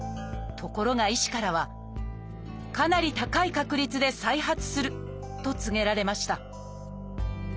ところが医師からは「かなり高い確率で再発する」と告げられました。